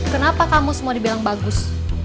kenapa kamu semua dibilang bagus